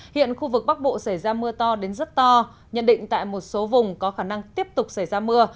hiện khu vực bắc bộ xảy ra mưa to đến rất to nhận định tại một số vùng có khả năng tiếp tục xảy ra mưa